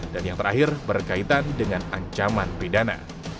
yang terakhir berkaitan dengan ancaman pidana